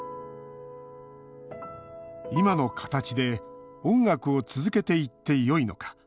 今の形で音楽を続けていってよいのか。